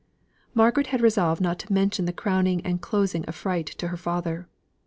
Margaret had resolved not to mention the crowning and closing affright to her father.